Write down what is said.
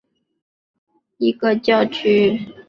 天主教古比奥教区是天主教会在义大利的一个教区。